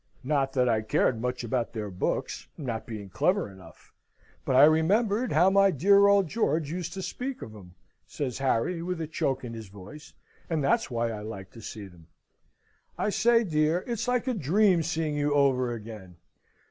"Not that I cared much about their books, not being clever enough. But I remembered how my dear old George used to speak of 'em," says Harry, with a choke in his voice, "and that's why I liked to see them. I say, dear, it's like a dream seeing you over again.